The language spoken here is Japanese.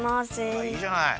あっいいじゃない。